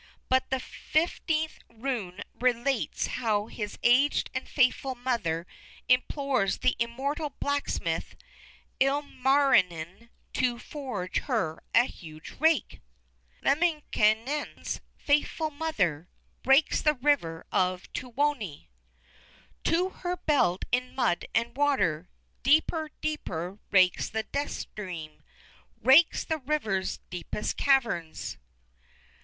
But the fifteenth rune relates how his aged and faithful mother implores 'the immortal blacksmith' Ilmarinen to forge her a huge rake: "'Lemminkainen's faithful mother Rakes the river of Tuoni, "To her belt in mud and water Deeper, deeper rakes the death stream, Rakes the river's deepest caverns.'